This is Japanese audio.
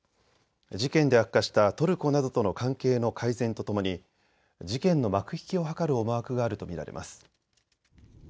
事件で悪化したトルコなどとの関係の改善とともに事件の幕引きを図る思惑があると見られます。